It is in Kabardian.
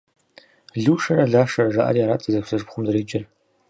Лушэрэ Лашэрэ жаӏэри арат зэдэлъху-зэшыпхъум зэреджэр.